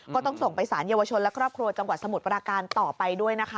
ก็ต้องส่งไปสารเยาวชนและครอบครัวจังหวัดสมุทรปราการต่อไปด้วยนะคะ